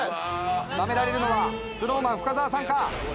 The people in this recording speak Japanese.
なめられるのはＳｎｏｗＭａｎ深澤さんか。